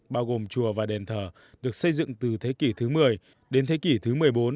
bao gồm chùa và đền thờ được xây dựng từ thế kỷ thứ một mươi đến thế kỷ thứ một mươi bốn